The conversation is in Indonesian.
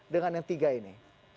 dengan yang tiga ini